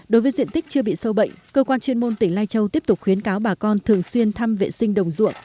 đối với diện tích chưa bị sâu bệnh cơ quan chuyên môn tỉnh lai châu tiếp tục khuyến cáo bà con thường xuyên thăm vệ sinh đồng ruộng